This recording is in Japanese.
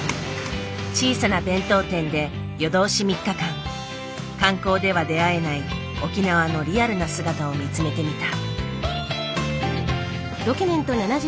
小さな弁当店で夜通し３日間観光では出会えない沖縄のリアルな姿を見つめてみた。